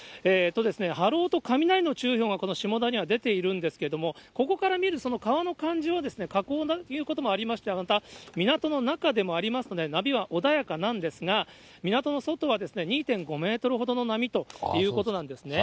波浪と雷の注意報が、この下田には出ているんですけれども、ここから見るその川の感じは、河口ということもありまして、港の中でもありますので、波は穏やかなんですが、港の外は２．５メートルほどの波ということなんですね。